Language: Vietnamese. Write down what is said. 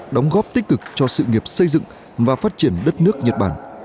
đóng góp tích cực cho sự nghiệp xây dựng và phát triển đất nước nhật bản